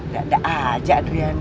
gak ada aja adriana